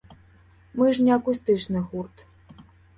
Мы ж не акустычны гурт.